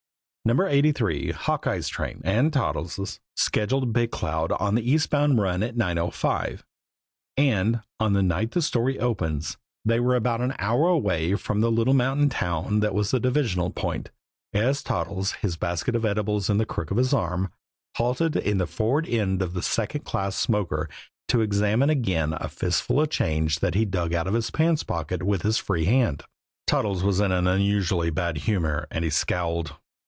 No. 83, Hawkeye's train and Toddles' scheduled Big Cloud on the eastbound run at 9.05; and, on the night the story opens, they were about an hour away from the little mountain town that was the divisional point, as Toddles, his basket of edibles in the crook of his arm, halted in the forward end of the second class smoker to examine again the fistful of change that he dug out of his pants pocket with his free hand. Toddles was in an unusually bad humor, and he scowled.